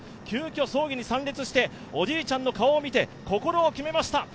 急きょ、葬儀に参列しておじいちゃんの顔を見て心を決めました、